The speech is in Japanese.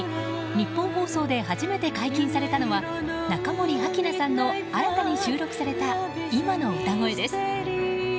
ニッポン放送で初めて解禁されたのは中森明菜さんの新たに収録された今の歌声です。